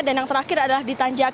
dan yang terakhir adalah di tanjakan